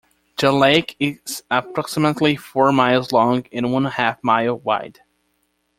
The lake is approximately four miles long and one-half mile wide.